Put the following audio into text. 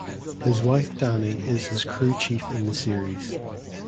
His wife Dani is his crew chief in the series.